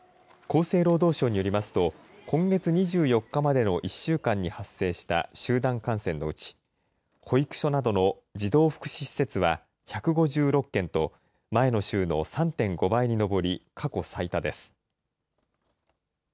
厚生労働省によりますと、今月２４日までの１週間に発生した集団感染のうち、保育所などの児童福祉施設は、１５６件と、前の週の３．５倍に上り、過去最多です。